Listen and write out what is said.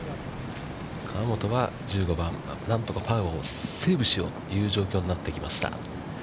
河本は１５番、何とかパーをセーブしようという状況になってきました。